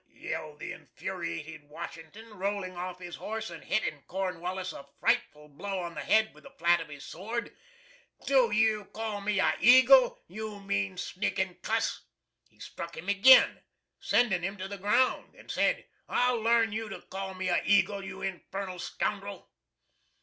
yelled the infuriated Washington, rolling off his horse and hitting Cornwallis a frightful blow on the head with the flat of his sword, "do you call me a EAGLE, you mean, sneakin' cuss?" He struck him again, sending him to the ground, and said, "I'll learn you to call me a Eagle, you infernal scoundrel!"